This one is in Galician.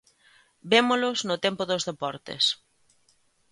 Vémolos no tempo dos deportes.